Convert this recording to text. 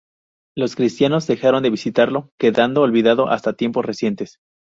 Los cristianos dejaron de visitarlo, quedando olvidado hasta tiempos recientes.